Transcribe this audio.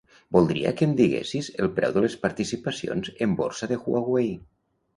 Voldria que em diguessis el preu de les participacions en borsa de Huawei.